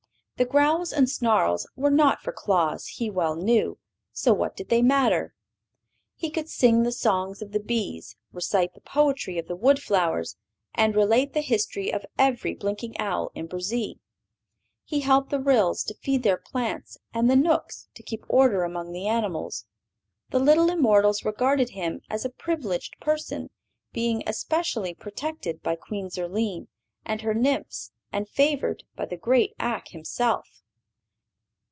The growls and snarls were not for Claus, he well knew, so what did they matter? He could sing the songs of the bees, recite the poetry of the wood flowers and relate the history of every blinking owl in Burzee. He helped the Ryls to feed their plants and the Knooks to keep order among the animals. The little immortals regarded him as a privileged person, being especially protected by Queen Zurline and her nymphs and favored by the great Ak himself.